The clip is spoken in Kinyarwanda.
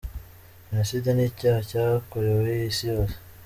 Jenoside ni icyaha cyakorewe isi yose.